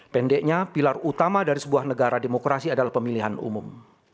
pendeknya pilar utama dari sebuah negara demokrasi adalah pemilihan umum